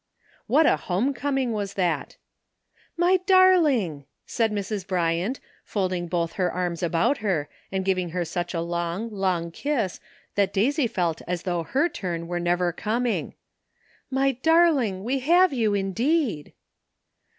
What a home coming was that ! "My darling!" said Mrs. Bryant, folding both arms about her, and giving her such a 370 AT LAST. long, long kiss that Daisy felt as though her turn were never coming. "My darling, we have you indeed